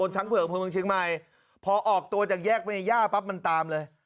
ช้างเผือกเมืองเชียงใหม่พอออกตัวจากแยกเมย่าปั๊บมันตามเลย